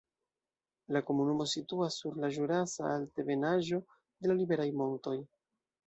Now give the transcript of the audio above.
La komunumo situas sur la ĵurasa altebenaĵo de la Liberaj Montoj.